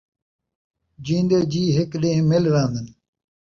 جین٘دے جی ہک ݙین٘ہہ مل رہن٘دن